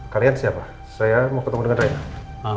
kalian siapa saya mau ketemu dengan reinhardt